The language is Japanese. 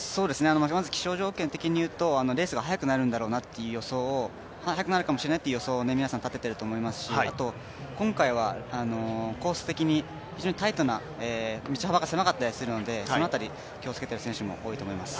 気象条件的にいうとレースが早くなるかもしれないという予想を皆さん立てていると思いますし、あと、今回はコース的に非常にタイトな道幅が狭かったりするのでその辺りを気をつけてる選手が多いと思います。